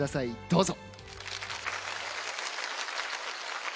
どうぞ。